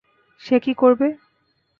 সে কি করবে?